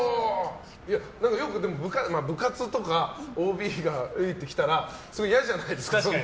よく部活とかＯＢがういーって来たらすごい、嫌じゃないですか。